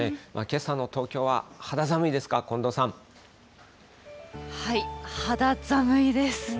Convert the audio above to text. けさの東京は肌寒いですか、近藤肌寒いです。